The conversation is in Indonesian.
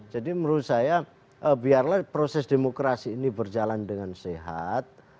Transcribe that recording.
jadi menurut saya biarlah proses demokrasi ini berjalan dengan sehat